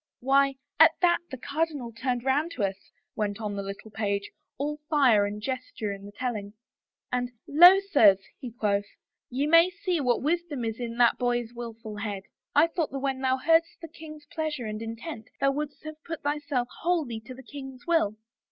" Why, at that the cardinal turned round to us," went on the page, all fire and gesture in the telling, " and, * Lo, sirs,' he quoth, * ye may see what wisdom is in that boy's willful head. I thought that when thou heardest the. king's pleasure and intent thou wouldest have put thyself wholly to the king's will.'